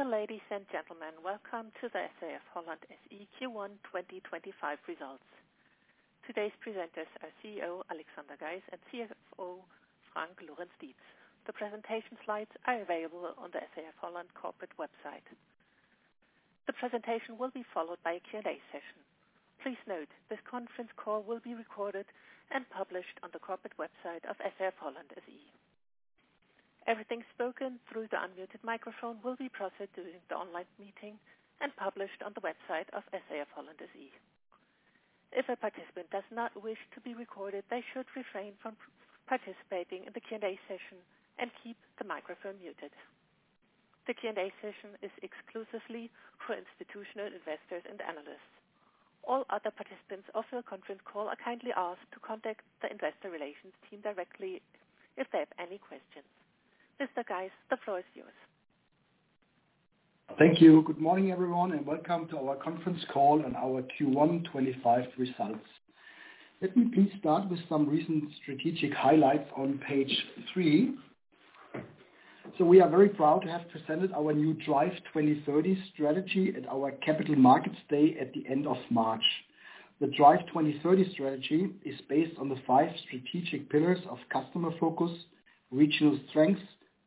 Dear ladies and gentlemen, welcome to the SAF-HOLLAND SE Q1 2025 results. Today's presenters are CEO Alexander Geis and CFO Frank Lorenz-Dietz. The presentation slides are available on the SAF-HOLLAND corporate website. The presentation will be followed by a Q&A session. Please note this conference call will be recorded and published on the corporate website of SAF-HOLLAND SE. Everything spoken through the unmuted microphone will be processed during the online meeting and published on the website of SAF-HOLLAND SE. If a participant does not wish to be recorded, they should refrain from participating in the Q&A session and keep the microphone muted. The Q&A session is exclusively for institutional investors and analysts. All other participants of the conference call are kindly asked to contact the investor relations team directly if they have any questions. Mr. Geis, the floor is yours. Thank you. Good morning, everyone, and welcome to our conference call and our Q1 2025 results. Let me please start with some recent strategic highlights on page three. We are very proud to have presented our new DRIVE 2030 strategy at our Capital Markets Day at the end of March. The DRIVE 2030 strategy is based on the five strategic pillars of customer focus, regional strengths,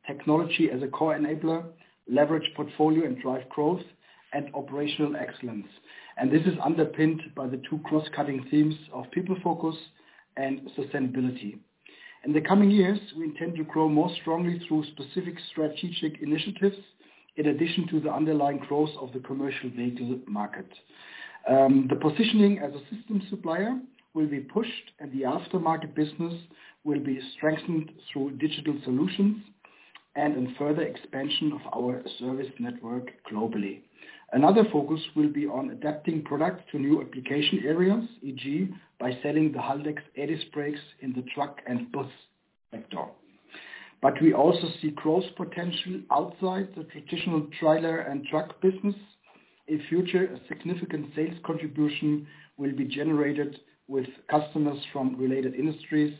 technology as a core enabler, leverage portfolio and drive growth, and operational excellence. This is underpinned by the two cross-cutting themes of people focus and sustainability. In the coming years, we intend to grow more strongly through specific strategic initiatives in addition to the underlying growth of the commercial vehicle market. The positioning as a systems supplier will be pushed, and the aftermarket business will be strengthened through digital solutions and a further expansion of our service network globally. Another focus will be on adapting products to new application areas, e.g., by selling the Haldex air disc brakes in the truck and bus sector. We also see growth potential outside the traditional trailer and truck business. In future, a significant sales contribution will be generated with customers from related industries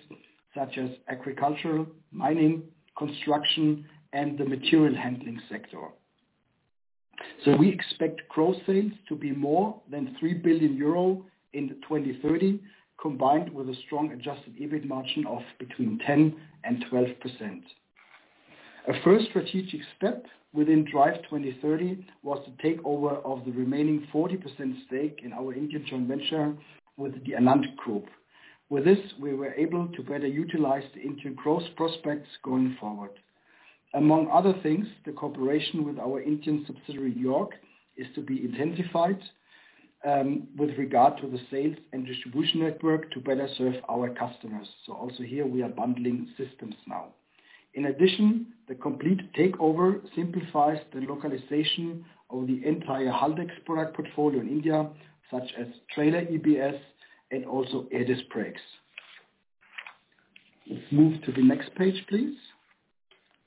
such as agriculture, mining, construction, and the material handling sector. We expect gross sales to be more than 3 billion euro in 2030, combined with a strong adjusted EBIT margin of between 10% and 12%. A first strategic step within DRIVE 2030 was the takeover of the remaining 40% stake in our Indian joint venture with the ANAND Group. With this, we were able to better utilize the Indian growth prospects going forward. Among other things, the cooperation with our Indian subsidiary York is to be intensified with regard to the sales and distribution network to better serve our customers. Also here, we are bundling systems now. In addition, the complete takeover simplifies the localization of the entire Haldex product portfolio in India, such as trailer ABS and also air disc brakes. Let's move to the next page, please,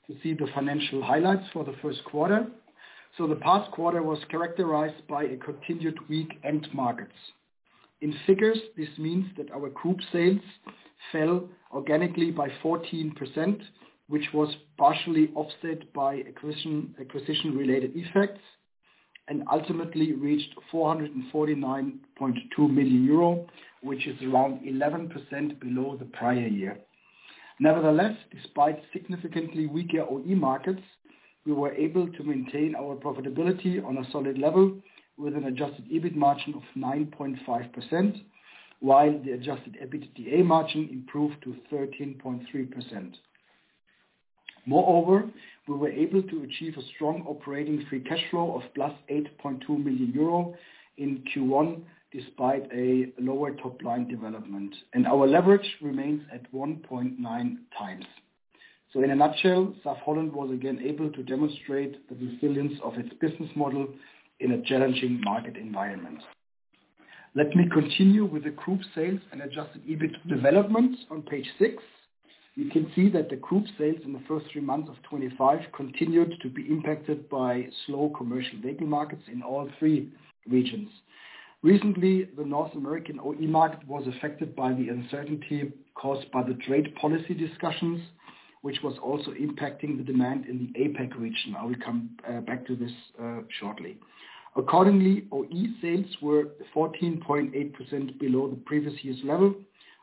to see the financial highlights for the first quarter. The past quarter was characterized by continued weak end markets. In figures, this means that our group sales fell organically by 14%, which was partially offset by acquisition-related effects, and ultimately reached 449.2 million euro, which is around 11% below the prior year. Nevertheless, despite significantly weaker OE markets, we were able to maintain our profitability on a solid level with an adjusted EBIT margin of 9.5%, while the adjusted EBITDA margin improved to 13.3%. Moreover, we were able to achieve a strong operating free cash flow of 8.2 million euro in Q1 despite a lower top-line development, and our leverage remains at 1.9 times. In a nutshell, SAF-HOLLAND was again able to demonstrate the resilience of its business model in a challenging market environment. Let me continue with the group sales and adjusted EBIT development. On page six, you can see that the group sales in the first three months of 2025 continued to be impacted by slow commercial vehicle markets in all three regions. Recently, the North American OE market was affected by the uncertainty caused by the trade policy discussions, which was also impacting the demand in the APAC region. I will come back to this shortly. Accordingly, OE sales were 14.8% below the previous year's level,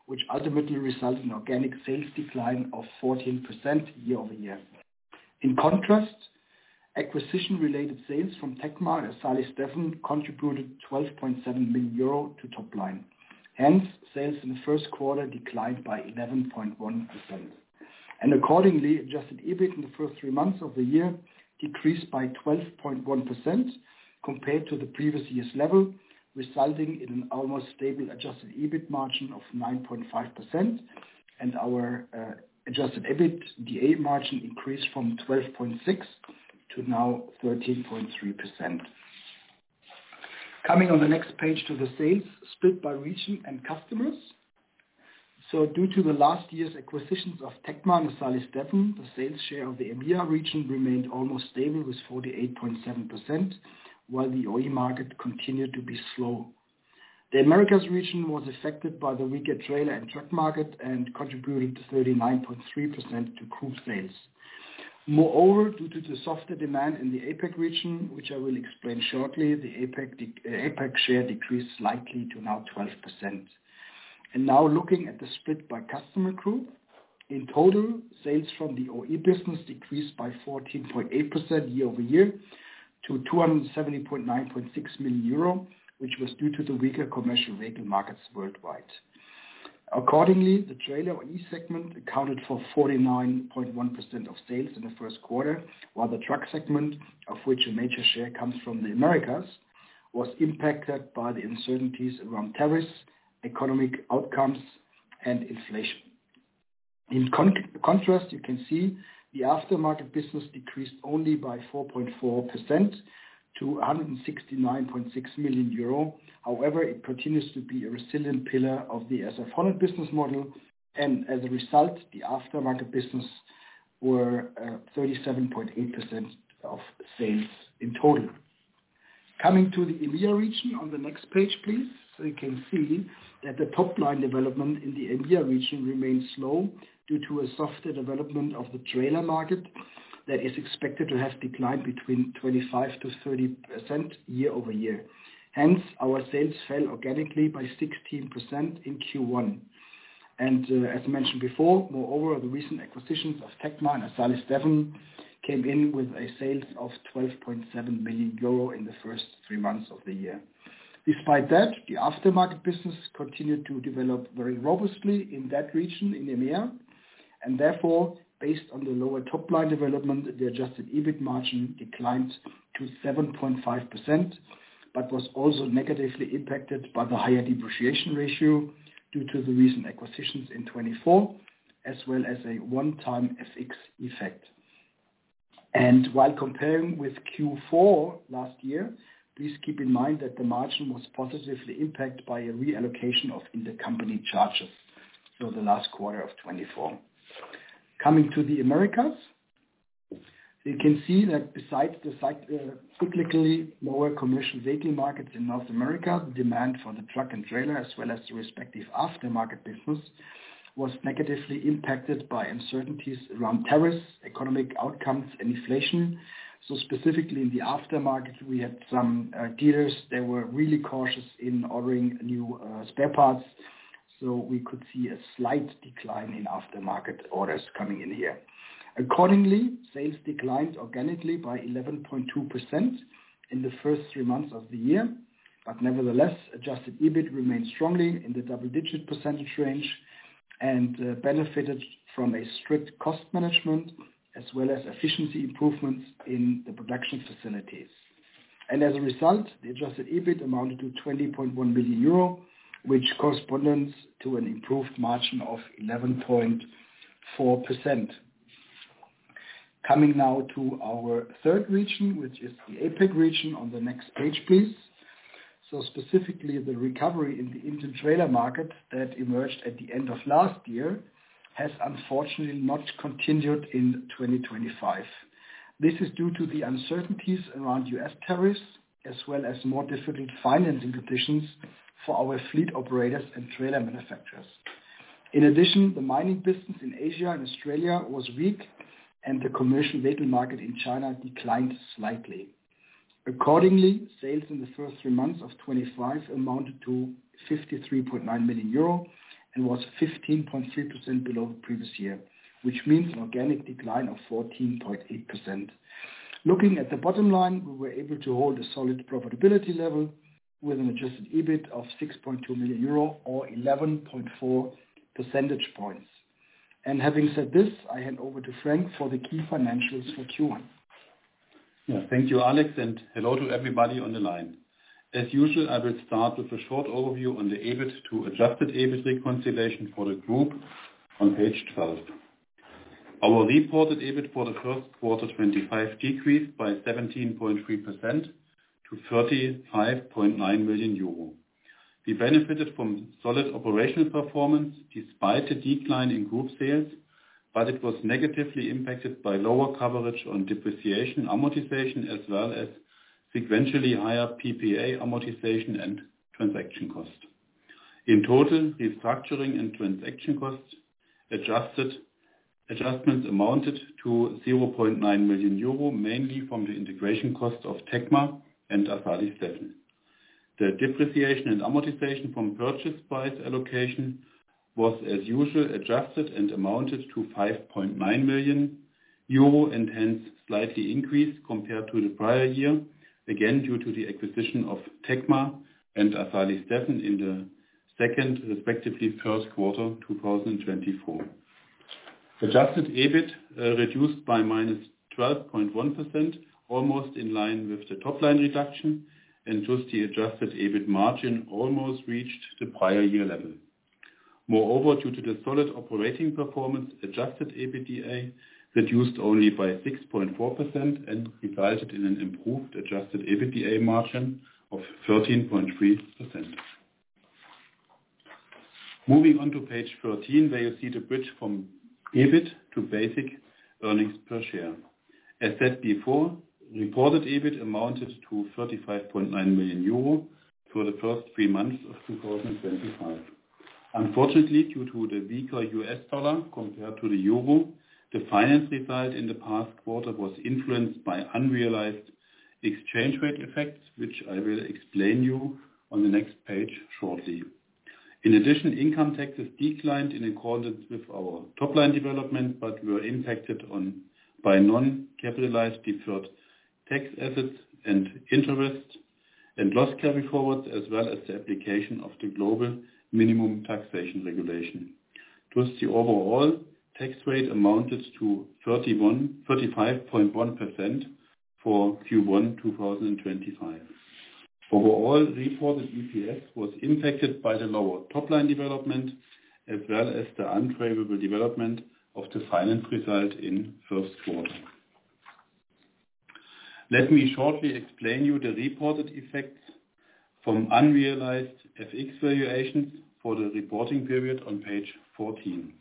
which ultimately resulted in an organic sales decline of 14% year-over-year. In contrast, acquisition-related sales from TECMA and Assali Stefen contributed 12.7 million euro to top-line. Hence, sales in the first quarter declined by 11.1%. Accordingly, adjusted EBIT in the first three months of the year decreased by 12.1% compared to the previous year's level, resulting in an almost stable adjusted EBIT margin of 9.5%. Our adjusted EBITDA margin increased from 12.6% to now 13.3%. Coming on the next page to the sales split by region and customers. Due to the last year's acquisitions of TECMA and Assali Stefen, the sales share of the EMEA region remained almost stable with 48.7%, while the OE market continued to be slow. The Americas region was affected by the weaker trailer and truck market and contributed 39.3% to group sales. Moreover, due to the softer demand in the APAC region, which I will explain shortly, the APAC share decreased slightly to now 12%. Now looking at the split by customer group, in total, sales from the OE business decreased by 14.8% year over year to 270.96 million euro, which was due to the weaker commercial vehicle markets worldwide. Accordingly, the trailer OE segment accounted for 49.1% of sales in the first quarter, while the truck segment, of which a major share comes from the Americas, was impacted by the uncertainties around tariffs, economic outcomes, and inflation. In contrast, you can see the aftermarket business decreased only by 4.4% to 169.6 million euro. However, it continues to be a resilient pillar of the SAF-HOLLAND business model, and as a result, the aftermarket business was 37.8% of sales in total. Coming to the EMEA region on the next page, please, you can see that the top-line development in the EMEA region remained slow due to a softer development of the trailer market that is expected to have declined between 25%-30% year over year. Hence, our sales fell organically by 16% in Q1. As mentioned before, moreover, the recent acquisitions of TECMA and Assali Stefen came in with sales of 12.7 million euro in the first three months of the year. Despite that, the aftermarket business continued to develop very robustly in that region in EMEA, and therefore, based on the lower top-line development, the adjusted EBIT margin declined to 7.5%, but was also negatively impacted by the higher depreciation ratio due to the recent acquisitions in 2024, as well as a one-time FX effect. While comparing with Q4 last year, please keep in mind that the margin was positively impacted by a reallocation of intercompany charges for the last quarter of 2024. Coming to the Americas, you can see that besides the cyclically lower commercial vehicle markets in North America, the demand for the truck and trailer, as well as the respective aftermarket business, was negatively impacted by uncertainties around tariffs, economic outcomes, and inflation. Specifically in the aftermarket, we had some dealers that were really cautious in ordering new spare parts, so we could see a slight decline in aftermarket orders coming in here. Accordingly, sales declined organically by 11.2% in the first three months of the year. Nevertheless, adjusted EBIT remained strongly in the double-digit percentage range and benefited from strict cost management, as well as efficiency improvements in the production facilities. As a result, the adjusted EBIT amounted to 20.1 million euro, which corresponds to an improved margin of 11.4%. Coming now to our third region, which is the APAC region on the next page, please. Specifically, the recovery in the Indian trailer market that emerged at the end of last year has unfortunately not continued in 2025. This is due to the uncertainties around U.S. tariffs, as well as more difficult financing conditions for our fleet operators and trailer manufacturers. In addition, the mining business in Asia and Australia was weak, and the commercial vehicle market in China declined slightly. Accordingly, sales in the first three months of 2025 amounted to 53.9 million euro and was 15.3% below the previous year, which means an organic decline of 14.8%. Looking at the bottom line, we were able to hold a solid profitability level with an adjusted EBIT of 6.2 million euro or 11.4 percentage points. Having said this, I hand over to Frank for the key financials for Q1. Yeah, thank you, Alex, and hello to everybody on the line. As usual, I will start with a short overview on the adjusted EBIT reconciliation for the group on page 12. Our reported EBIT for the first quarter 2025 decreased by 17.3% to 35.9 million euro. We benefited from solid operational performance despite the decline in group sales, but it was negatively impacted by lower coverage on depreciation amortization, as well as sequentially higher PPA amortization and transaction cost. In total, restructuring and transaction cost adjustments amounted to 0.9 million euro, mainly from the integration cost of TECMA and Assali Stefen. The depreciation and amortization from purchase price allocation was, as usual, adjusted and amounted to 5.9 million euro, and hence slightly increased compared to the prior year, again due to the acquisition of TECMA and Assali Stefen in the second, respectively, first quarter 2024. Adjusted EBIT reduced by -12.1%, almost in line with the top-line reduction, and thus the adjusted EBIT margin almost reached the prior year level. Moreover, due to the solid operating performance, adjusted EBITDA reduced only by 6.4% and resulted in an improved adjusted EBITDA margin of 13.3%. Moving on to page 13, where you see the bridge from EBIT to basic earnings per share. As said before, reported EBIT amounted to 35.9 million euro for the first three months of 2025. Unfortunately, due to the weaker US dollar compared to the euro, the finance result in the past quarter was influenced by unrealized exchange rate effects, which I will explain to you on the next page shortly. In addition, income taxes declined in accordance with our top-line development, but were impacted by non-capitalized deferred tax assets and interest and loss carry forwards, as well as the application of the global minimum taxation regulation. Thus, the overall tax rate amounted to 35.1% for Q1 2025. Overall, reported EPS was impacted by the lower top-line development, as well as the untraceable development of the finance result in the first quarter. Let me shortly explain to you the reported effects from unrealized FX valuations for the reporting period on page 14.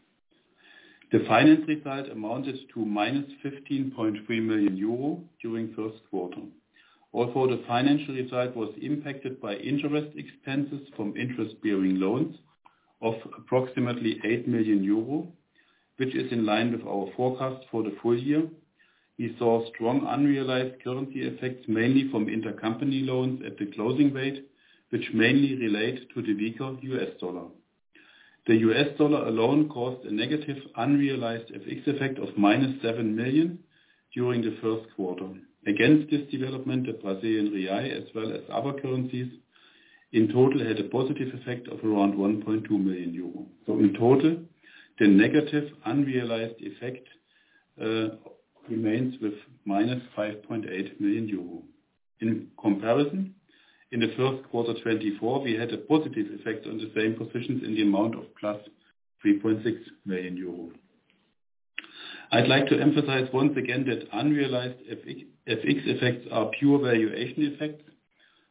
The finance result amounted to minus 15.3 million euro during the first quarter. Also, the financial result was impacted by interest expenses from interest-bearing loans of approximately 8 million euro, which is in line with our forecast for the full year. We saw strong unrealized currency effects, mainly from intercompany loans at the closing rate, which mainly relates to the weaker US dollar. The US dollar alone caused a negative unrealized FX effect of minus 7 million during the first quarter. Against this development, the Brazilian real, as well as other currencies, in total had a positive effect of around 1.2 million euro. In total, the negative unrealized effect remains with minus 5.8 million euro. In comparison, in the first quarter 2024, we had a positive effect on the same positions in the amount of plus 3.6 million euro. I'd like to emphasize once again that unrealized FX effects are pure valuation effects,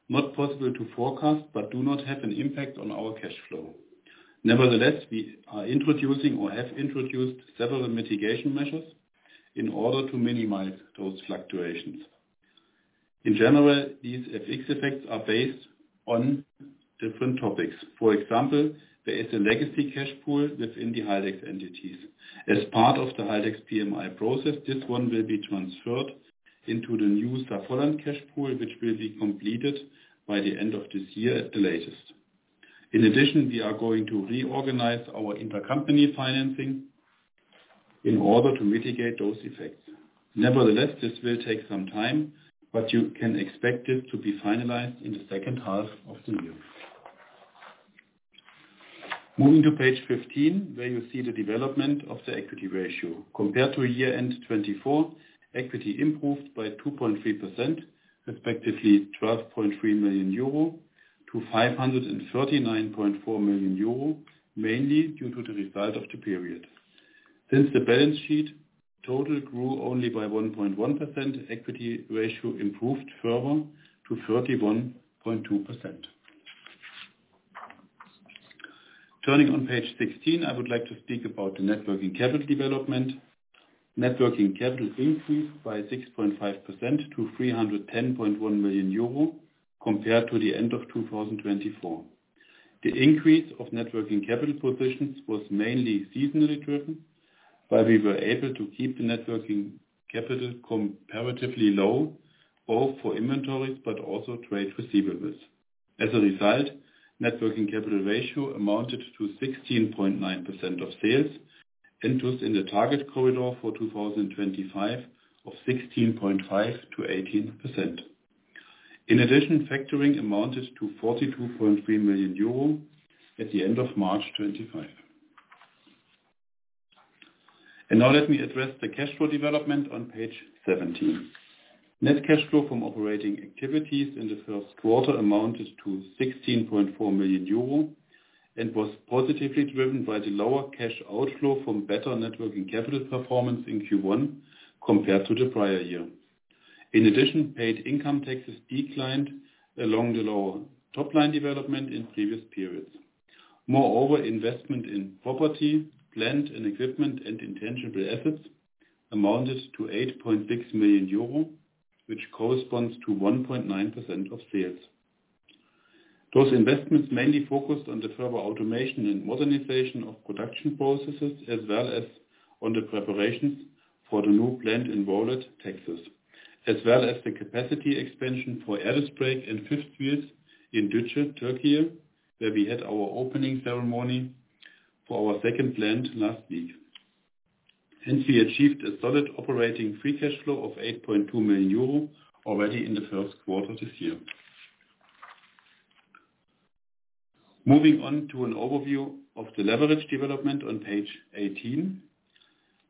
not possible to forecast, but do not have an impact on our cash flow. Nevertheless, we are introducing or have introduced several mitigation measures in order to minimize those fluctuations. In general, these FX effects are based on different topics. For example, there is a legacy cash pool within the Haldex entities. As part of the Haldex PMI process, this one will be transferred into the new SAF-HOLLAND cash pool, which will be completed by the end of this year at the latest. In addition, we are going to reorganize our intercompany financing in order to mitigate those effects. Nevertheless, this will take some time, but you can expect this to be finalized in the second half of the year. Moving to page 15, where you see the development of the equity ratio. Compared to year-end 2024, equity improved by 2.3%, respectively 12.3 million euro to 539.4 million euro, mainly due to the result of the period. Since the balance sheet total grew only by 1.1%, equity ratio improved further to 31.2%. Turning on page 16, I would like to speak about the networking capital development. Networking capital increased by 6.5% to 310.1 million euro compared to the end of 2024. The increase of networking capital positions was mainly seasonally driven, but we were able to keep the networking capital comparatively low, both for inventories but also trade receivables. As a result, networking capital ratio amounted to 16.9% of sales, and thus in the target corridor for 2025 of 16.5%-18%. In addition, factoring amounted to 42.3 million euro at the end of March 2025. Now let me address the cash flow development on page 17. Net cash flow from operating activities in the first quarter amounted to 16.4 million euro and was positively driven by the lower cash outflow from better networking capital performance in Q1 compared to the prior year. In addition, paid income taxes declined along the lower top-line development in previous periods. Moreover, investment in property, land, and equipment, and intangible assets amounted to 8.6 million euro, which corresponds to 1.9% of sales. Those investments mainly focused on the further automation and modernization of production processes, as well as on the preparations for the new plant in Rowlett, Texas, as well as the capacity expansion for air disc brakes and fifth wheels in Düzce, Türkiye, where we had our opening ceremony for our second plant last week. Hence, we achieved a solid operating free cash flow of 8.2 million euro already in the first quarter this year. Moving on to an overview of the leverage development on page 18.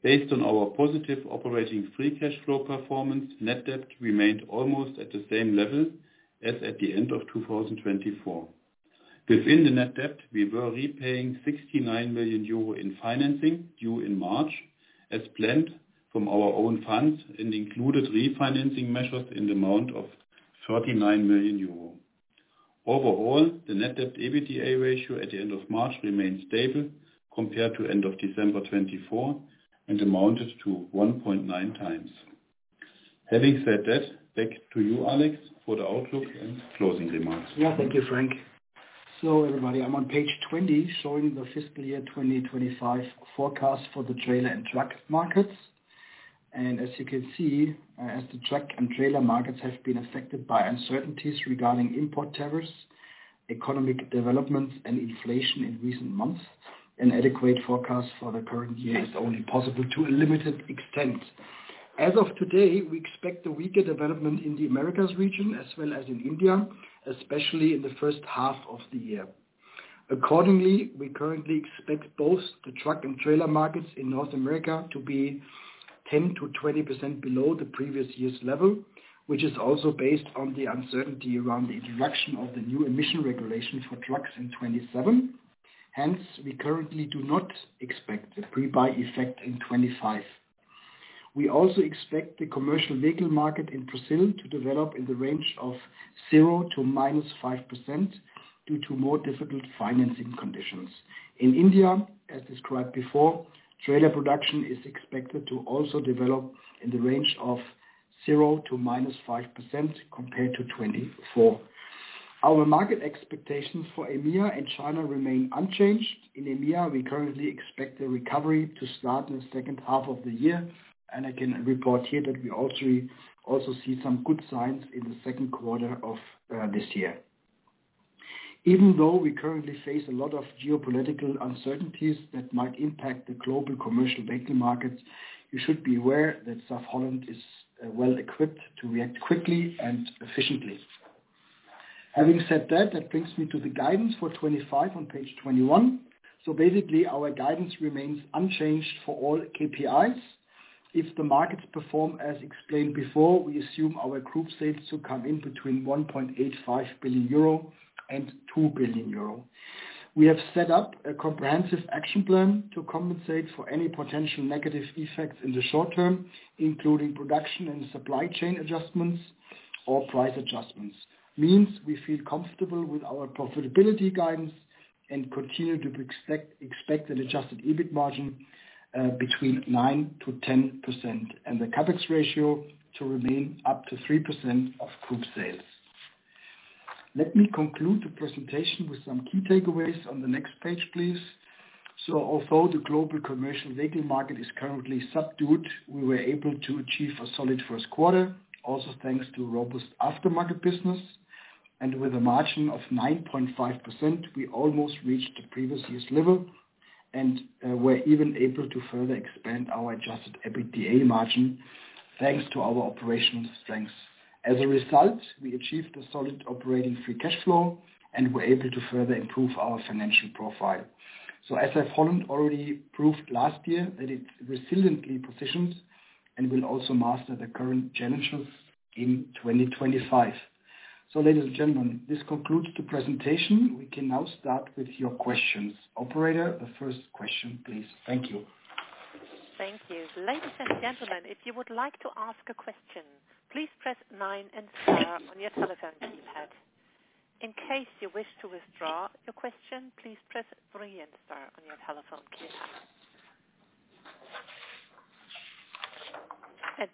Based on our positive operating free cash flow performance, net debt remained almost at the same level as at the end of 2024. Within the net debt, we were repaying 69 million euro in financing due in March, as planned from our own funds and included refinancing measures in the amount of 39 million euro. Overall, the net debt/EBITDA ratio at the end of March remained stable compared to the end of December 2024 and amounted to 1.9 times. Having said that, back to you, Alex, for the outlook and closing remarks. Yeah, thank you, Frank. So everybody, I'm on page 20, showing the fiscal year 2025 forecast for the trailer and truck markets. As you can see, as the truck and trailer markets have been affected by uncertainties regarding import tariffs, economic developments, and inflation in recent months, an adequate forecast for the current year is only possible to a limited extent. As of today, we expect the weaker development in the Americas region, as well as in India, especially in the first half of the year. Accordingly, we currently expect both the truck and trailer markets in North America to be 10%-20% below the previous year's level, which is also based on the uncertainty around the introduction of the new emission regulation for trucks in 2027. Hence, we currently do not expect a pre-buy effect in 2025. We also expect the commercial vehicle market in Brazil to develop in the range of 0% to -5% due to more difficult financing conditions. In India, as described before, trailer production is expected to also develop in the range of 0% to -5% compared to 2024. Our market expectations for EMEA and China remain unchanged. In EMEA, we currently expect the recovery to start in the second half of the year, and I can report here that we also see some good signs in the second quarter of this year. Even though we currently face a lot of geopolitical uncertainties that might impact the global commercial vehicle markets, you should be aware that SAF-HOLLAND is well equipped to react quickly and efficiently. Having said that, that brings me to the guidance for 2025 on page 21. Basically, our guidance remains unchanged for all KPIs. If the markets perform as explained before, we assume our group sales to come in between 1.85 billion euro and 2 billion euro. We have set up a comprehensive action plan to compensate for any potential negative effects in the short term, including production and supply chain adjustments or price adjustments. Means we feel comfortable with our profitability guidance and continue to expect an adjusted EBIT margin between 9%-10% and the CapEx ratio to remain up to 3% of group sales. Let me conclude the presentation with some key takeaways on the next page, please. Although the global commercial vehicle market is currently subdued, we were able to achieve a solid first quarter, also thanks to robust aftermarket business, and with a margin of 9.5%, we almost reached the previous year's level and were even able to further expand our adjusted EBITDA margin thanks to our operational strengths. As a result, we achieved a solid operating free cash flow and were able to further improve our financial profile. SAF-HOLLAND already proved last year that it's resiliently positioned and will also master the current challenges in 2025. Ladies and gentlemen, this concludes the presentation. We can now start with your questions. Operator, the first question, please. Thank you. Thank you. Ladies and gentlemen, if you would like to ask a question, please press 9 and star on your telephone keypad. In case you wish to withdraw your question, please press 3 and star on your telephone keypad.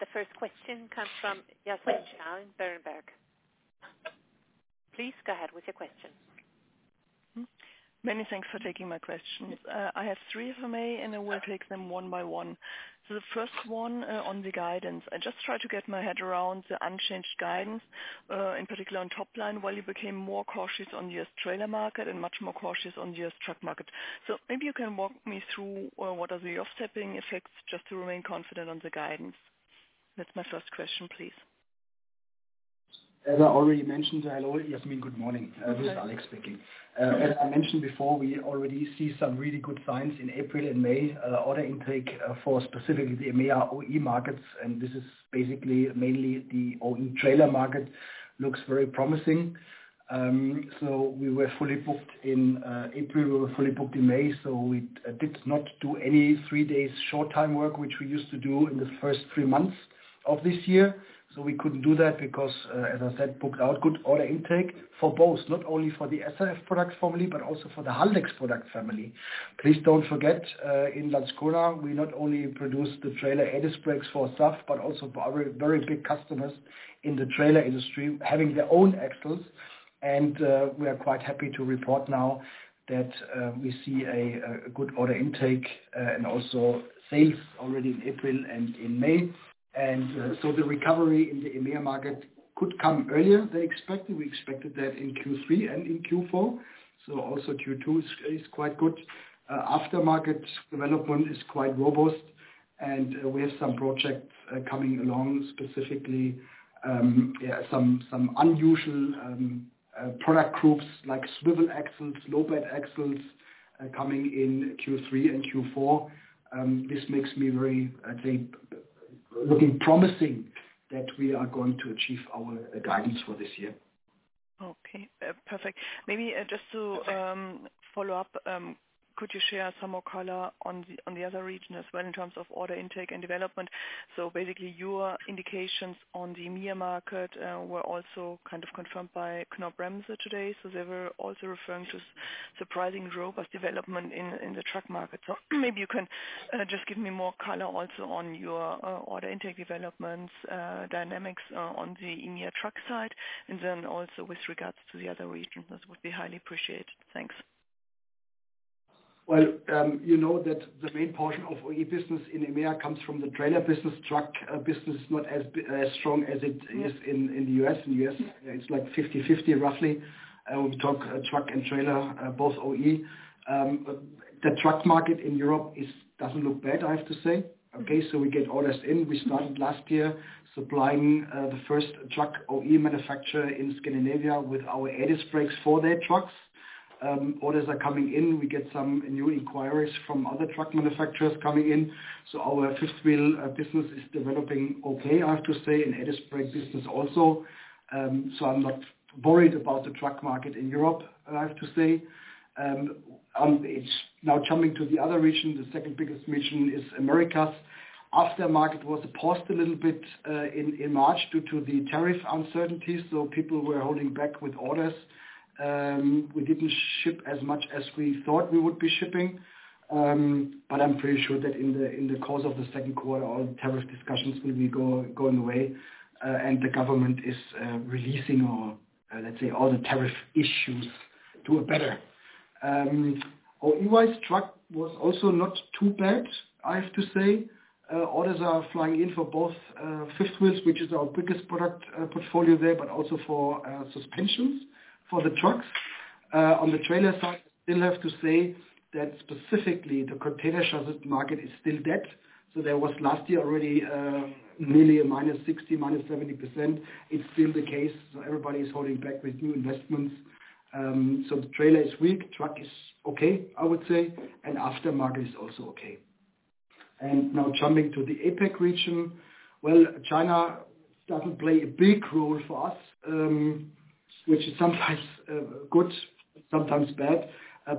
The first question comes from Yasmin Steilen in Berenberg. Please go ahead with your question. Many thanks for taking my questions. I have three if I may, and I will take them one by one. The first one on the guidance, I just tried to get my head around the unchanged guidance, in particular on top-line, while you became more cautious on the U.S. trailer market and much more cautious on the U.S. truck market. Maybe you can walk me through what are the off-stepping effects just to remain confident on the guidance. That's my first question, please. As I already mentioned, hello, Yasmin, good morning. This is Alex speaking. As I mentioned before, we already see some really good signs in April and May, order intake for specifically the EMEA OE markets, and this is basically mainly the OE trailer market looks very promising. We were fully booked in April, we were fully booked in May, so we did not do any three-day short-time work, which we used to do in the first three months of this year. We could not do that because, as I said, booked out good order intake for both, not only for the SAF product family, but also for the Haldex product family. Please do not forget, in that godown, we not only produce the trailer air disc brakes for SAF, but also for our very big customers in the trailer industry having their own axles. We are quite happy to report now that we see a good order intake and also sales already in April and in May. The recovery in the EMEA market could come earlier than expected. We expected that in Q3 and in Q4. Q2 is quite good. Aftermarket development is quite robust, and we have some projects coming along, specifically some unusual product groups like swivel axles, low-bed axles coming in Q3 and Q4. This makes me very looking promising that we are going to achieve our guidance for this year. Okay, perfect. Maybe just to follow up, could you share some more color on the other region as well in terms of order intake and development? Basically, your indications on the EMEA market were also kind of confirmed by Knorr-Bremse today. They were also referring to surprisingly robust development in the truck market. Maybe you can just give me more color also on your order intake developments, dynamics on the EMEA truck side, and then also with regards to the other region. That would be highly appreciated. Thanks. You know that the main portion of OE business in EMEA comes from the trailer business. Truck business is not as strong as it is in the U.S. In the U.S., it's like 50/50 roughly. We talk truck and trailer, both OE. The truck market in Europe doesn't look bad, I have to say. Okay, so we get orders in. We started last year supplying the first truck OE manufacturer in Scandinavia with our air disc brakes for their trucks. Orders are coming in. We get some new inquiries from other truck manufacturers coming in. Our fifth wheel business is developing okay, I have to say, and air disc brake business also. I'm not worried about the truck market in Europe, I have to say. Now jumping to the other region, the second biggest region is Americas. Aftermarket was paused a little bit in March due to the tariff uncertainties, so people were holding back with orders. We did not ship as much as we thought we would be shipping, but I am pretty sure that in the course of the second quarter, all the tariff discussions will be going away, and the government is releasing all, let's say, all the tariff issues to a better. OE-wise truck was also not too bad, I have to say. Orders are flying in for both fifth wheels, which is our biggest product portfolio there, but also for suspensions for the trucks. On the trailer side, I still have to say that specifically the container shuttle market is still dead. There was last year already nearly a -60%, -70%. It is still the case. Everybody is holding back with new investments. The trailer is weak, truck is okay, I would say, and aftermarket is also okay. Now jumping to the APAC region, China does not play a big role for us, which is sometimes good, sometimes bad,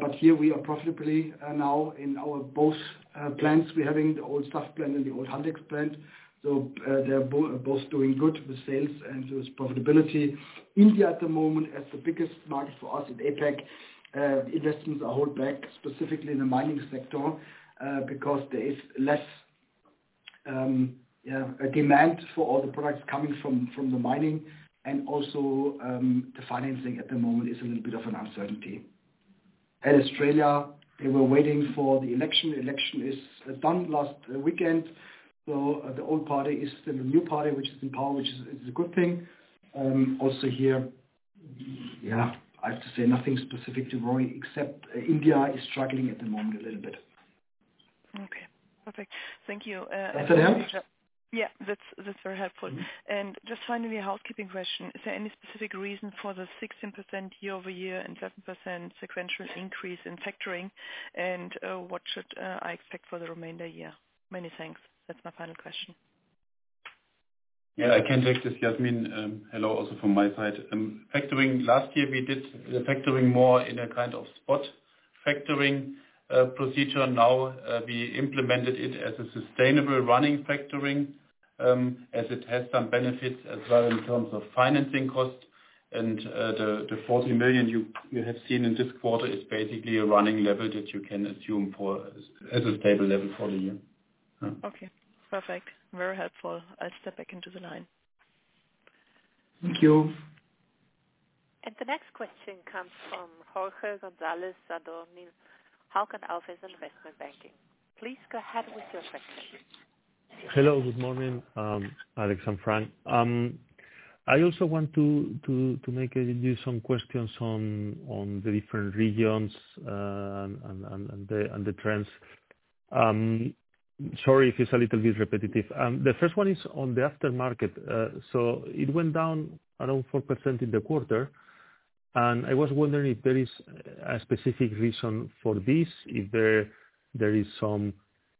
but here we are profitable now in our both plants. We are having the old SAF plant and the old Haldex plant. They are both doing good with sales and with profitability. India at the moment is the biggest market for us in APAC. Investments are held back specifically in the mining sector because there is less demand for all the products coming from the mining, and also the financing at the moment is a little bit of an uncertainty. Australia, they were waiting for the election. The election is done last weekend. The old party is still the new party, which is in power, which is a good thing. Also here, yeah, I have to say nothing specific to worry except India is struggling at the moment a little bit. Okay, perfect. Thank you. That's it, huh? Yeah, that's very helpful. Just finally, a housekeeping question. Is there any specific reason for the 16% year-over-year and 7% sequential increase in factoring, and what should I expect for the remainder of the year? Many thanks. That's my final question. Yeah, I can take this. Yasmin, hello also from my side. Last year, we did the factoring more in a kind of spot factoring procedure. Now we implemented it as a sustainable running factoring as it has some benefits as well in terms of financing cost. The 40 million you have seen in this quarter is basically a running level that you can assume as a stable level for the year. Okay, perfect. Very helpful. I'll step back into the line. Thank you. The next question comes from Jorge Gonzalez-Sadornil, Hauck Aufhauser investment banking. Please go ahead with your question. Hello, good morning. Alex, I'm Frank. I also want to make you some questions on the different regions and the trends. Sorry if it's a little bit repetitive. The first one is on the aftermarket. It went down around 4% in the quarter, and I was wondering if there is a specific reason for this, if there is some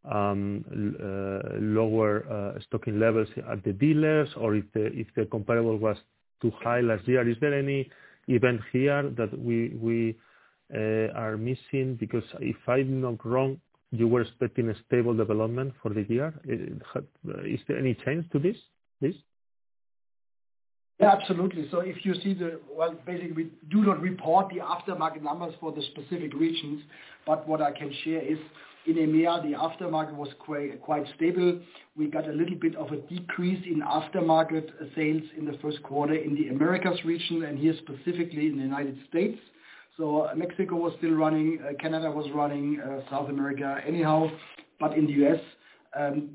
lower stocking levels at the dealers, or if the comparable was too high last year. Is there any event here that we are missing? Because if I'm not wrong, you were expecting a stable development for the year. Is there any change to this, please? Yeah, absolutely. If you see the, well, basically, we do not report the aftermarket numbers for the specific regions, but what I can share is in EMEA, the aftermarket was quite stable. We got a little bit of a decrease in aftermarket sales in the first quarter in the Americas region, and here specifically in the U.S. Mexico was still running, Canada was running, South America anyhow, but in the U.S.,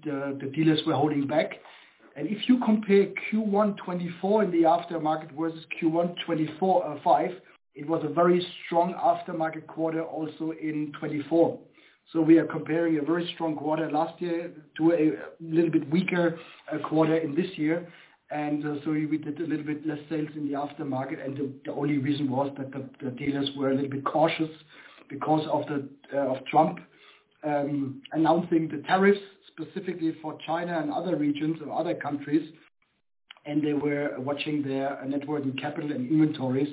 the dealers were holding back. If you compare Q1 2024 in the aftermarket versus Q1 2025, it was a very strong aftermarket quarter also in 2024. We are comparing a very strong quarter last year to a little bit weaker quarter in this year. We did a little bit less sales in the aftermarket, and the only reason was that the dealers were a little bit cautious because of Trump announcing the tariffs specifically for China and other regions of other countries, and they were watching their working capital and inventories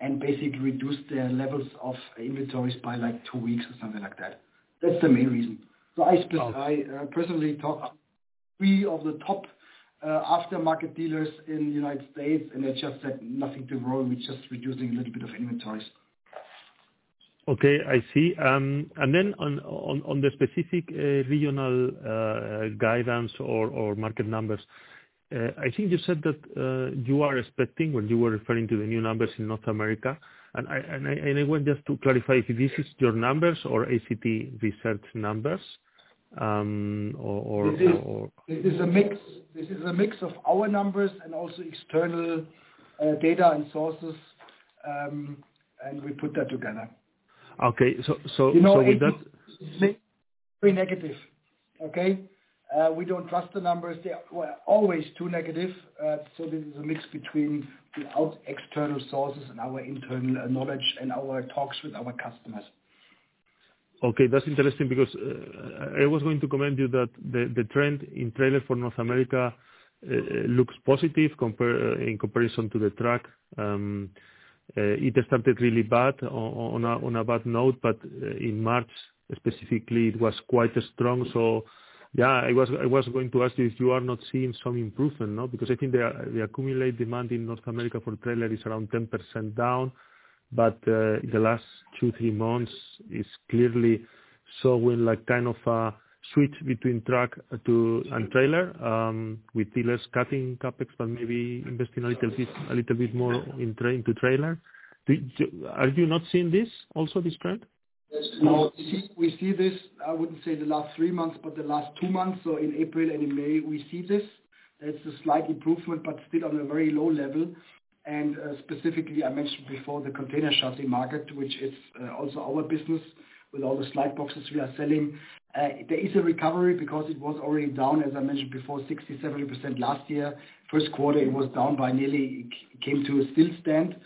and basically reduced their levels of inventories by like two weeks or something like that. That's the main reason. I personally talked to three of the top aftermarket dealers in the United States, and they just said nothing to worry. We're just reducing a little bit of inventories. Okay, I see. Then on the specific regional guidance or market numbers, I think you said that you are expecting when you were referring to the new numbers in North America. I want just to clarify if this is your numbers or ACT research numbers or. This is a mix of our numbers and also external data and sources, and we put that together. Okay. So with that. We don't trust the numbers. We're always too negative. This is a mix between external sources and our internal knowledge and our talks with our customers. Okay, that's interesting because I was going to comment to you that the trend in trailer for North America looks positive in comparison to the truck. It started really bad on a bad note, but in March, specifically, it was quite strong. Yeah, I was going to ask you if you are not seeing some improvement, no? Because I think the accumulated demand in North America for trailer is around 10% down, but in the last two, three months, it's clearly showing kind of a switch between truck and trailer with dealers cutting CapEx, but maybe investing a little bit more into trailer. Are you not seeing this also, this trend? No, we see this, I would not say the last three months, but the last two months. In April and in May, we see this. It is a slight improvement, but still on a very low level. Specifically, I mentioned before the container shuttle market, which is also our business with all the slide boxes we are selling. There is a recovery because it was already down, as I mentioned before, 60%-70% last year. First quarter, it was down by nearly, it came to a standstill.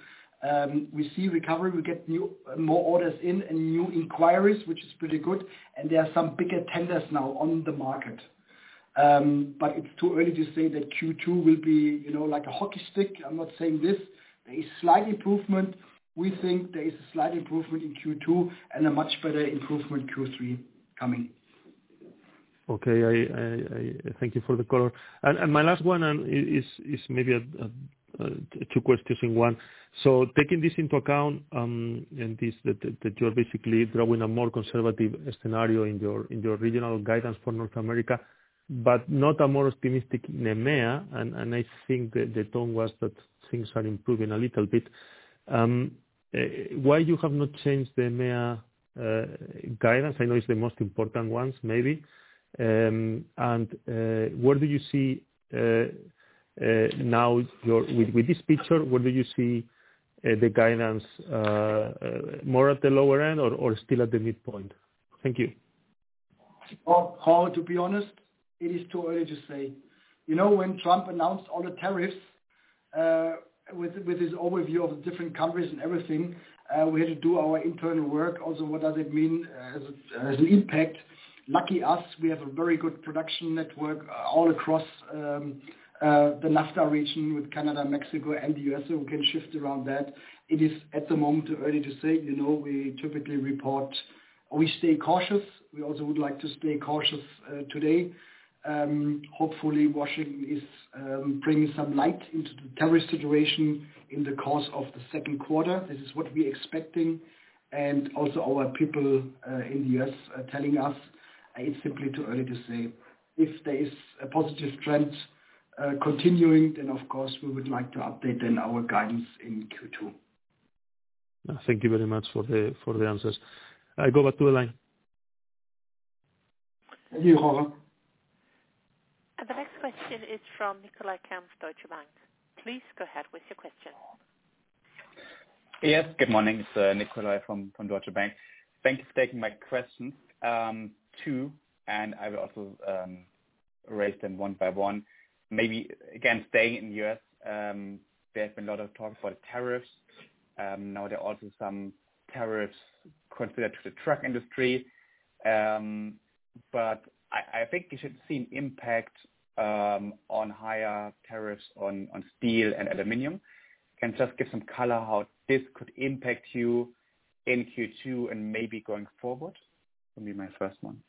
We see recovery. We get more orders in and new inquiries, which is pretty good, and there are some bigger tenders now on the market. It is too early to say that Q2 will be like a hockey stick. I am not saying this. There is slight improvement. We think there is a slight improvement in Q2 and a much better improvement Q3 coming. Okay, thank you for the color. My last one is maybe two questions in one. Taking this into account and that you're basically drawing a more conservative scenario in your regional guidance for North America, but not a more optimistic in EMEA, and I think the tone was that things are improving a little bit. Why have you not changed the EMEA guidance? I know it's the most important one, maybe. Where do you see now with this picture, where do you see the guidance, more at the lower end or still at the midpoint? Thank you. Paul, to be honest, it is too early to say. You know when Trump announced all the tariffs with his overview of the different countries and everything, we had to do our internal work. Also, what does it mean as an impact? Lucky us, we have a very good production network all across the NAFTA region with Canada, Mexico, and the U.S., so we can shift around that. It is at the moment too early to say. We typically report, we stay cautious. We also would like to stay cautious today. Hopefully, Washington is bringing some light into the tariff situation in the course of the second quarter. This is what we are expecting. Also, our people in the U.S. are telling us it's simply too early to say. If there is a positive trend continuing, then of course, we would like to update then our guidance in Q2. Thank you very much for the answers. I go back to the line. Thank you, Jorge. The next question is from Nikolai Kampf, Deutsche Bank. Please go ahead with your question. Yes, good morning. Nikolai from Deutsche Bank. Thank you for taking my questions too, and I will also raise them one by one. Maybe again, staying in the U.S., there's been a lot of talk about tariffs. Now there are also some tariffs considered to the truck industry, but I think you should see an impact on higher tariffs on steel and aluminum. Can you just give some color how this could impact you in Q2 and maybe going forward? For me, my first one.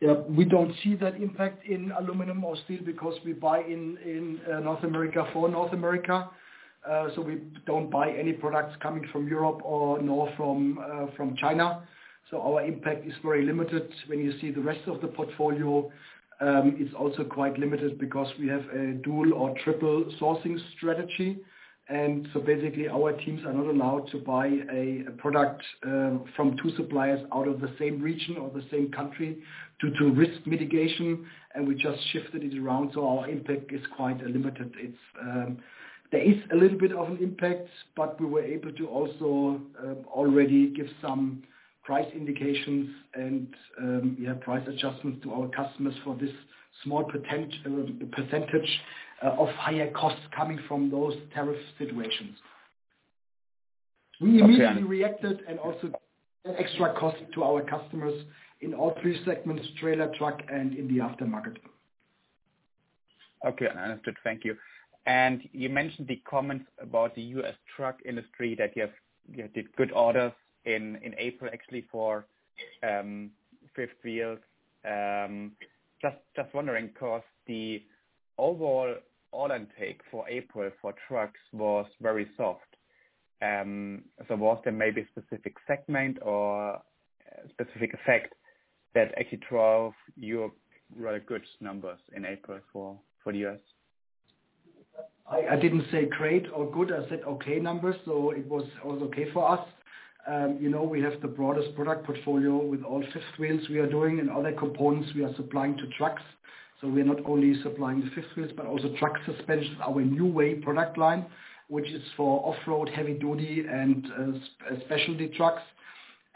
Yeah, we do not see that impact in aluminum or steel because we buy in North America for North America. We do not buy any products coming from Europe or from China. Our impact is very limited. When you see the rest of the portfolio, it is also quite limited because we have a dual or triple sourcing strategy. Basically, our teams are not allowed to buy a product from two suppliers out of the same region or the same country due to risk mitigation, and we just shifted it around. Our impact is quite limited. There is a little bit of an impact, but we were able to also already give some price indications and price adjustments to our customers for this small percentage of higher costs coming from those tariff situations. We immediately reacted and also added extra costs to our customers in all three segments, trailer, truck, and in the aftermarket. Okay, I understood. Thank you. You mentioned the comments about the U.S. truck industry that you did good orders in April, actually, for fifth wheels. Just wondering because the overall intake for April for trucks was very soft. Was there maybe a specific segment or specific effect that actually drove your very good numbers in April for the U.S.? I didn't say great or good. I said okay numbers. It was okay for us. We have the broadest product portfolio with all fifth wheels we are doing and other components we are supplying to trucks. We are not only supplying the fifth wheels, but also truck suspensions, our Neway product line, which is for off-road, heavy-duty, and specialty trucks.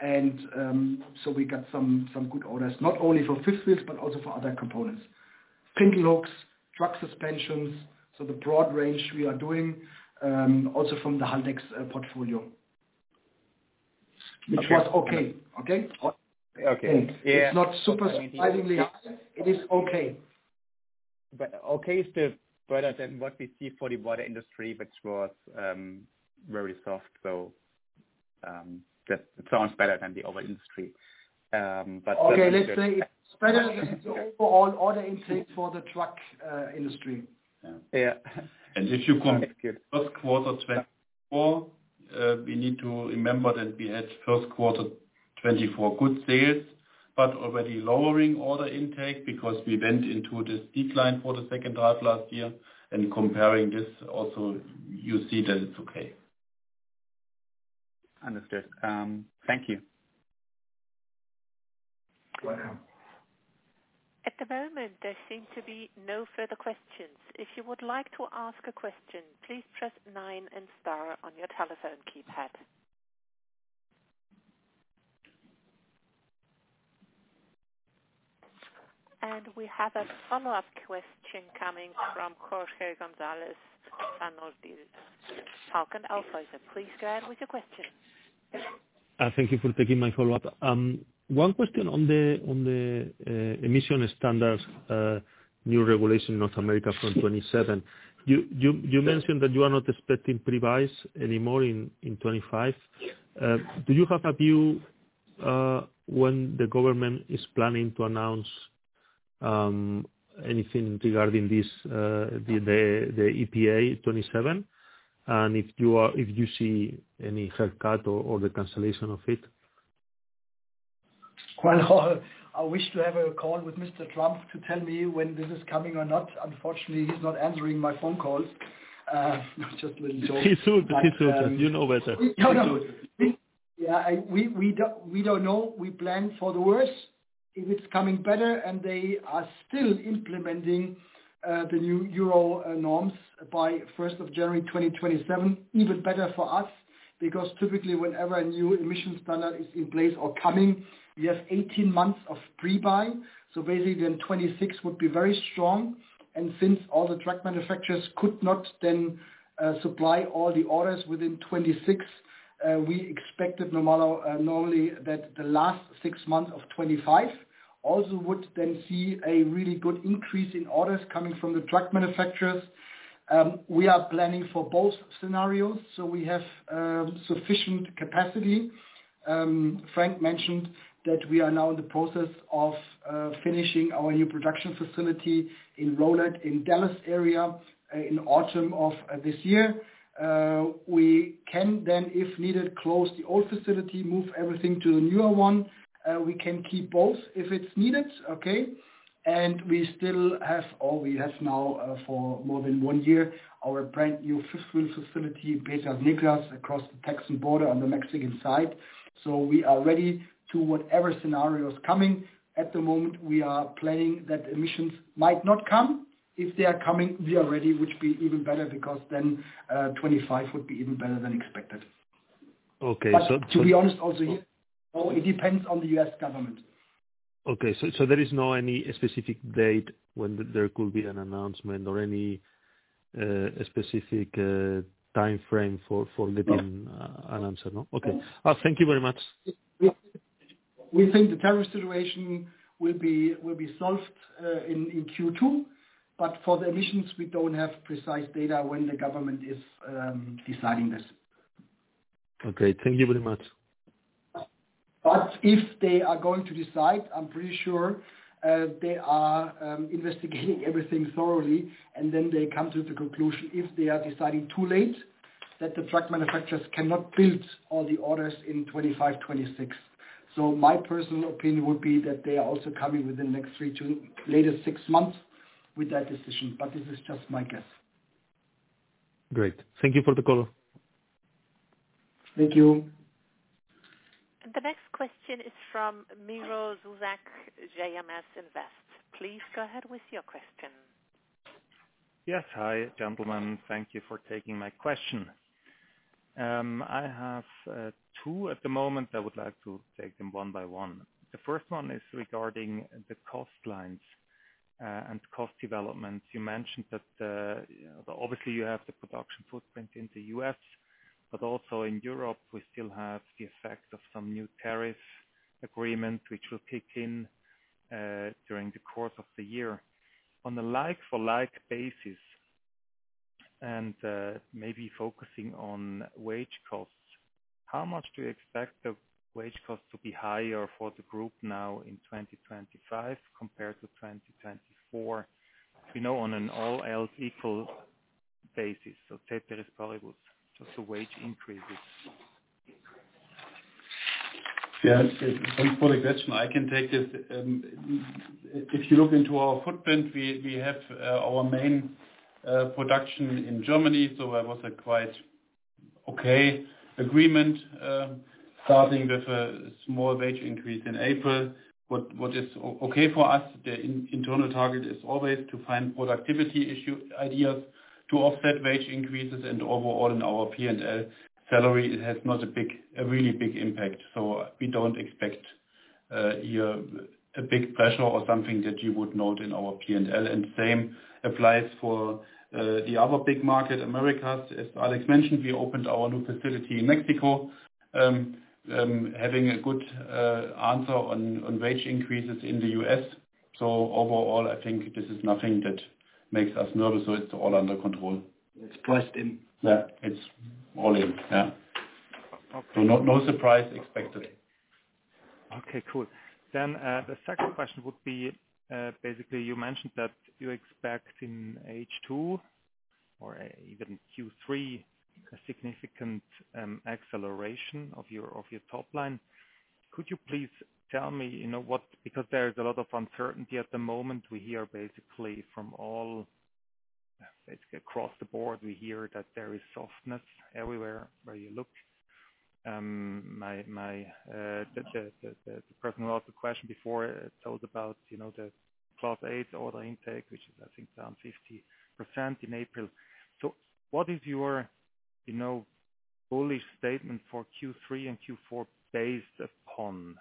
We got some good orders, not only for fifth wheels, but also for other components, pintle hooks, truck suspensions. The broad range we are doing also from the Haldex portfolio, which was okay. Okay? Okay. It's not surprisingly high. It is okay. Okay is still better than what we see for the water industry, which was very soft. It sounds better than the other industry. Okay, let's say it's better than the overall order intake for the truck industry. Yeah. If you come first quarter 2024, we need to remember that we had first quarter 2024 good sales, but already lowering order intake because we went into this decline for the second drive last year. Comparing this also, you see that it's okay. Understood. Thank you. You're welcome. At the moment, there seem to be no further questions. If you would like to ask a question, please press 9 and star on your telephone keypad. We have a follow-up question coming from Jorge Gonzalez-Sadornil. Hauck Aufhauser, please go ahead with your question. Thank you for taking my follow-up. One question on the emission standards, new regulation in North America from 2027. You mentioned that you are not expecting pre-buys anymore in 2025. Do you have a view when the government is planning to announce anything regarding this, the EPA 2027, and if you see any haircut or the cancellation of it? I wish to have a call with Mr. Trump to tell me when this is coming or not. Unfortunately, he's not answering my phone calls. Just a little joke. He is too busy. You know better. Yeah, we do not know. We plan for the worst if it is coming better, and they are still implementing the new Euro norms by January 1, 2027, even better for us. Because typically, whenever a new emission standard is in place or coming, you have 18 months of pre-buy. Basically, then 2026 would be very strong. Since all the truck manufacturers could not then supply all the orders within 2026, we expected normally that the last six months of 2025 also would then see a really good increase in orders coming from the truck manufacturers. We are planning for both scenarios, so we have sufficient capacity. Frank mentioned that we are now in the process of finishing our new production facility in Rowlett in the Dallas area in autumn of this year. We can then, if needed, close the old facility, move everything to the newer one. We can keep both if it's needed, okay? We still have, or we have now for more than one year, our brand new fifth wheel facility, Peter Nicholas, across the Texan border on the Mexican side. We are ready to whatever scenario is coming. At the moment, we are planning that emissions might not come. If they are coming, we are ready, which would be even better because then 2025 would be even better than expected. Okay. To be honest, also here, it depends on the U.S. government. Okay. So there is not any specific date when there could be an announcement or any specific timeframe for getting an answer, no? No. Okay. Thank you very much. We think the tariff situation will be solved in Q2, but for the emissions, we don't have precise data when the government is deciding this. Okay. Thank you very much. If they are going to decide, I'm pretty sure they are investigating everything thoroughly, and then they come to the conclusion if they are deciding too late that the truck manufacturers cannot build all the orders in 2025, 2026. My personal opinion would be that they are also coming within the next three to latest six months with that decision, but this is just my guess. Great. Thank you for the call. Thank you. The next question is from Miro Zuzak, JMS Invest. Please go ahead with your question. Yes, hi gentlemen. Thank you for taking my question. I have two at the moment. I would like to take them one by one. The first one is regarding the cost lines and cost development. You mentioned that obviously you have the production footprint in the U.S., but also in Europe, we still have the effect of some new tariff agreement, which will kick in during the course of the year. On a like-for-like basis and maybe focusing on wage costs, how much do you expect the wage costs to be higher for the group now in 2025 compared to 2024? We know on an all else equal basis, so tariffs probably was just the wage increases. Yeah, for the question, I can take this. If you look into our footprint, we have our main production in Germany, so that was a quite okay agreement starting with a small wage increase in April. What is okay for us, the internal target is always to find productivity ideas to offset wage increases, and overall in our P&L, salary has not a really big impact. We do not expect here a big pressure or something that you would note in our P&L. The same applies for the other big market, America. As Alex mentioned, we opened our new facility in Mexico, having a good answer on wage increases in the U.S. Overall, I think this is nothing that makes us nervous, it is all under control. It is priced in. Yeah, it is all in. Yeah. No surprise expected. Okay, cool. The second question would be basically you mentioned that you expect in H2 or even Q3 a significant acceleration of your top line. Could you please tell me what, because there is a lot of uncertainty at the moment. We hear basically from all across the board, we hear that there is softness everywhere where you look. The person who asked the question before told about the class A order intake, which is, I think, around 50% in April. What is your bullish statement for Q3 and Q4 based upon?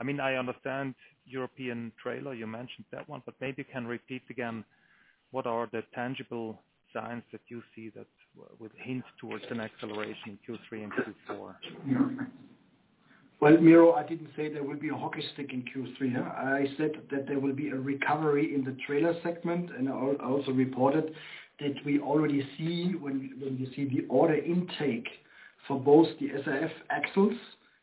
I mean, I understand European trailer, you mentioned that one, but maybe you can repeat again what are the tangible signs that you see that would hint towards an acceleration in Q3 and Q4? Miro, I didn't say there would be a hockey stick in Q3. I said that there will be a recovery in the trailer segment, and I also reported that we already see when you see the order intake for both the SAF axles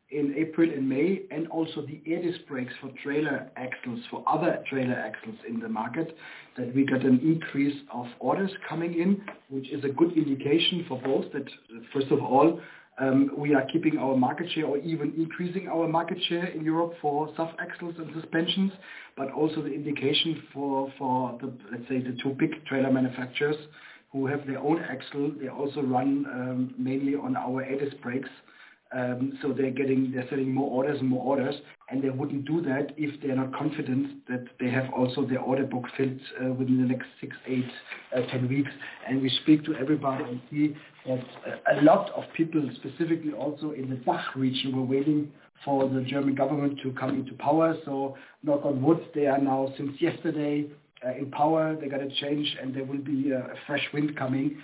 in April and May and also the air disc brakes for trailer axles, for other trailer axles in the market, that we got an increase of orders coming in, which is a good indication for both that, first of all, we are keeping our market share or even increasing our market share in Europe for sub-axles and suspensions, but also the indication for, let's say, the two big trailer manufacturers who have their own axle. They also run mainly on our air disc brakes, so they're getting, they're sending more orders and more orders, and they wouldn't do that if they're not confident that they have also their order book filled within the next six, eight, 10 weeks. We speak to everybody and see that a lot of people, specifically also in the DACH region, were waiting for the German government to come into power. Knock on wood, they are now since yesterday in power. They got a change, and there will be a fresh wind coming.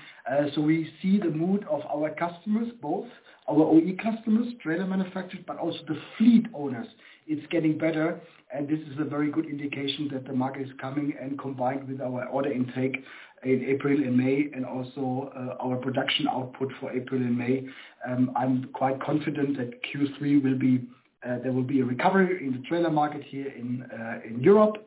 We see the mood of our customers, both our OE customers, trailer manufacturers, but also the fleet owners. It's getting better, and this is a very good indication that the market is coming and combined with our order intake in April and May and also our production output for April and May. I'm quite confident that Q3 will be, there will be a recovery in the trailer market here in Europe.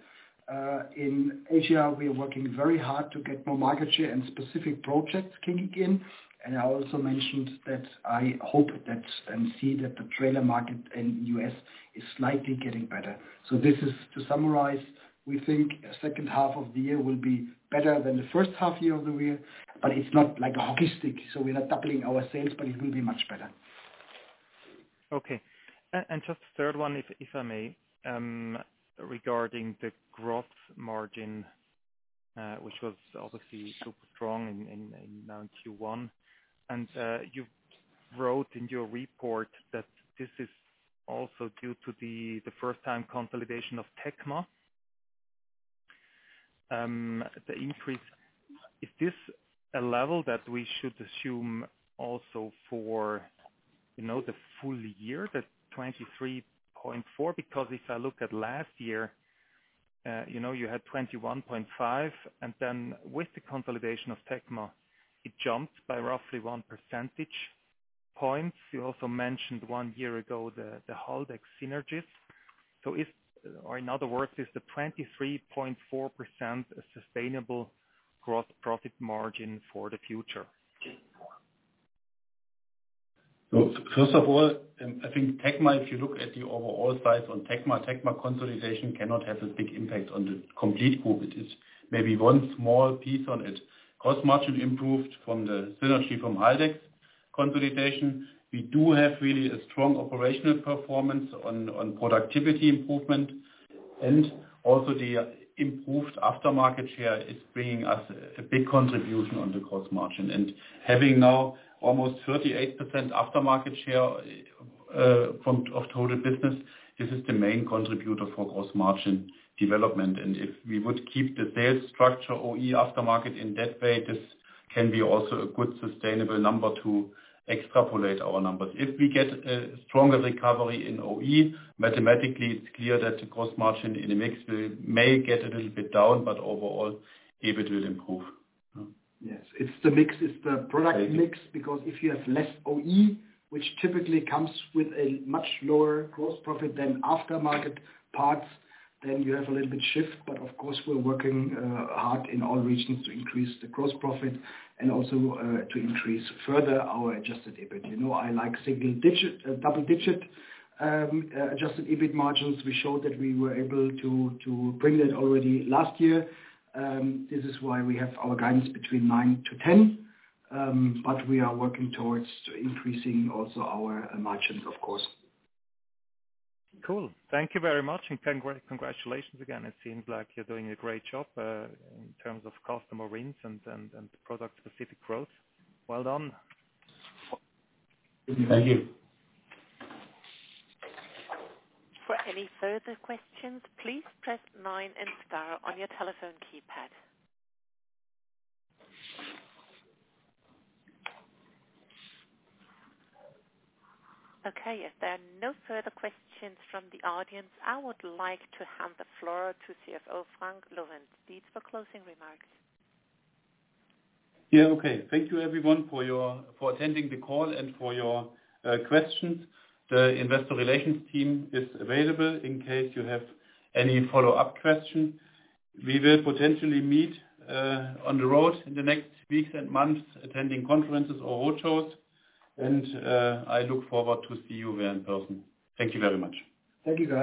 In Asia, we are working very hard to get more market share and specific projects kicking in. I also mentioned that I hope that and see that the trailer market in the U.S. is slightly getting better. To summarize, we think the second half of the year will be better than the first half of the year, but it's not like a hockey stick, so we're not doubling our sales, but it will be much better. Okay. Just the third one, if I may, regarding the gross margin, which was obviously super strong in Q1. You wrote in your report that this is also due to the first-time consolidation of TECMA. The increase, is this a level that we should assume also for the full year, the 23.4%? Because if I look at last year, you had 21.5%, and then with the consolidation of TECMA, it jumped by roughly 1 percentage point. You also mentioned one year ago the Haldex synergies. In other words, is the 23.4% a sustainable gross profit margin for the future? First of all, I think TECMA, if you look at the overall size on TECMA, TECMA consolidation cannot have a big impact on the complete group. It is maybe one small piece on it. Gross margin improved from the synergy from Haldex consolidation. We do have really a strong operational performance on productivity improvement, and also the improved aftermarket share is bringing us a big contribution on the gross margin. Having now almost 38% aftermarket share of total business, this is the main contributor for gross margin development. If we would keep the sales structure OE aftermarket in that way, this can be also a good sustainable number to extrapolate our numbers. If we get a stronger recovery in OE, mathematically, it is clear that the gross margin in a mix may get a little bit down, but overall, it will improve. Yes. It is the mix. It's the product mix because if you have less OE, which typically comes with a much lower gross profit than aftermarket parts, then you have a little bit shift. Of course, we're working hard in all regions to increase the gross profit and also to increase further our adjusted EBIT. I like double-digit adjusted EBIT margins. We showed that we were able to bring that already last year. This is why we have our guidance between 9%-10%, but we are working towards increasing also our margins, of course. Cool. Thank you very much. Congratulations again. It seems like you're doing a great job in terms of customer wins and product-specific growth. Well done. Thank you. For any further questions, please press 9 and star on your telephone keypad. Okay. If there are no further questions from the audience, I would like to hand the floor to CFO Frank Lorenz-Dietz for closing remarks. Yeah, okay. Thank you, everyone, for attending the call and for your questions. The investor relations team is available in case you have any follow-up questions. We will potentially meet on the road in the next weeks and months attending conferences or roadshows, and I look forward to seeing you there in person. Thank you very much. Thank you.